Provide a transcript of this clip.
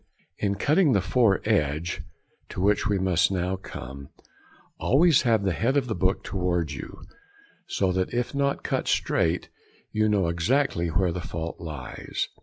] In cutting the foredge, to which we must now come, always have the head of the book towards you, so that if not cut straight you know exactly where the fault lies.